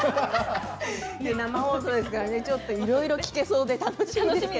生放送ですからねいろいろ聞けそうで楽しみです。